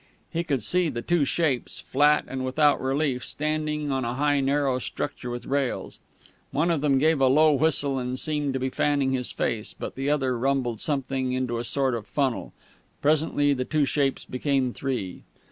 He could see the two shapes, flat and without relief, standing on a high narrow structure with rails. One of them gave a low whistle, and seemed to be fanning his face; but the other rumbled something into a sort of funnel. Presently the two shapes became three.